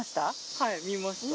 はい見ました。